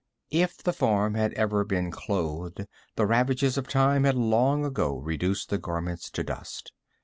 If the form had ever been clothed, the ravages of time had long ago reduced the garments to dust.